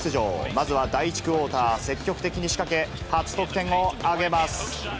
まずは第１クオーター、積極的にしかけ、初得点を挙げます。